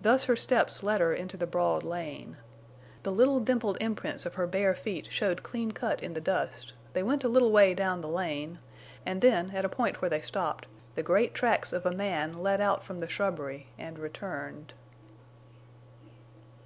Thus her steps led her into the broad lane. The little dimpled imprints of her bare feet showed clean cut in the dust they went a little way down the lane; and then, at a point where they stopped, the great tracks of a man led out from the shrubbery and returned.